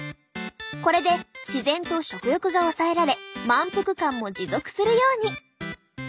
これで自然と食欲が抑えられ満腹感も持続するように。